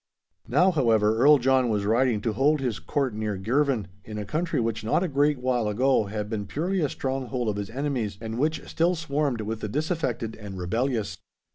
Now, however, Earl John was riding to hold his Court near Girvan, in a country which not a great while ago had been purely a stronghold of his enemies, and which still swarmed with the disaffected and rebellious.